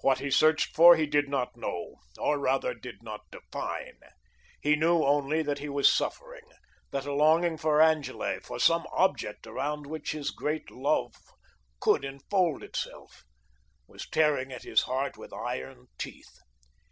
What he searched for he did not know, or, rather, did not define. He knew only that he was suffering, that a longing for Angele, for some object around which his great love could enfold itself, was tearing at his heart with iron teeth.